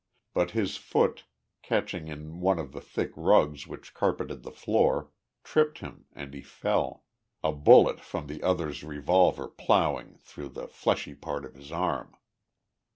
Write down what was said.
But his foot, catching in one of the thick rugs which carpeted the floor, tripped him and he fell a bullet from the other's revolver plowing through the fleshy part of his arm.